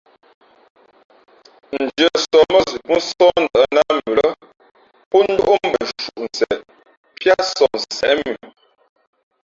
Ndʉ̄αsǒh mά zʉʼ pó nsoh ndα̌ nát mʉ lά pó ndóʼ mbh nshúnseʼ píá sohnsěʼ mʉ.